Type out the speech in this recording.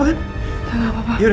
aku pernah menyatakan